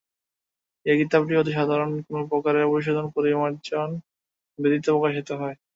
এ কিতাবটি অতি সাধারণভাবে কোন প্রকারের পরিশোধন পরিমার্জন ব্যতীত প্রকাশিত হয়।